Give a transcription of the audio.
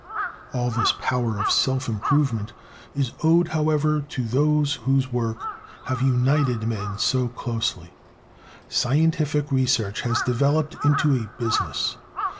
All this power of self improvement is owed, however, to those whose 176 FUNDAMENTAL DISCOVERIES 177 works have united men so closely. Scientific research has developed into a business.